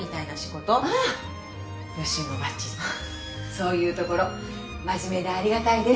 そういうところ真面目でありがたいです。